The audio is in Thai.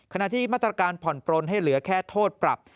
ที่มาตรการผ่อนปลนให้เหลือแค่โทษปรับ